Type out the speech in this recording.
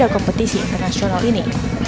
untuk kompetisi internasional ini